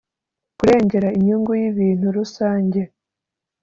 kurengera inyungu y’ibintu rusange